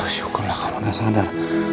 syukurlah kamu gak sadar